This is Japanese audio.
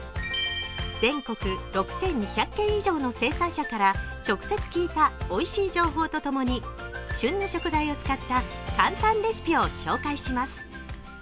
全国６２００軒以上の生産者から直接聞いた、おいしい情報とともに旬の食材を使った簡単レシピを紹介します。